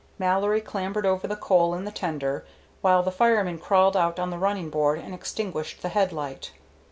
Mallory clambered over the coal in the tender, while the fireman crawled out on the running board and extinguished the headlight.